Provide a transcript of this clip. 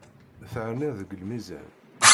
Terniḍ deg lmizan.